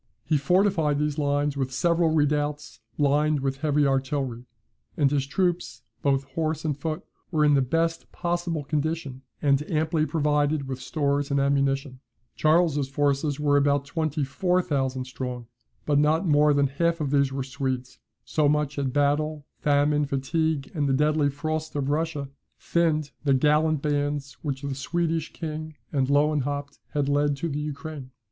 He fortified these lines with several redoubts, lined with heavy artillery; and his troops, both horse and foot, were in the best possible condition, and amply provided with stores and ammunition. Charles's forces were about twenty four thousand strong. But not more than half of these were Swedes; so much had battle, famine, fatigue, and the deadly frosts of Russia, thinned the gallant bands which the Swedish king and Lewenhaupt had led to the Ukraine.